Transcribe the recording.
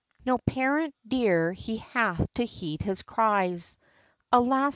XVI. No parent dear he hath to heed his cries; Alas!